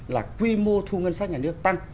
là quy mô thu ngân sách nhà nước tăng